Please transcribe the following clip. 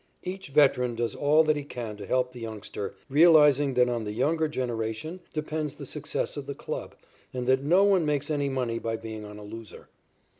Each veteran does all that he can to help the youngster, realizing that on the younger generation depends the success of the club, and that no one makes any money by being on a loser.